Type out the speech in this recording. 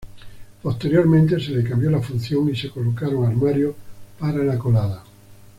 Posteriormente se le cambió la función y se colocaron armarios para la colada.